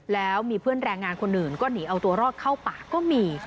แล้วมีเพื่อนแรงงานคนอื่นก็หนีเอาตัวรอดเข้าป่าก็มี